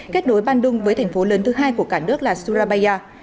kết đối bandung với thành phố lớn thứ hai của cả nước là surabaya